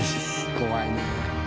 怖いね。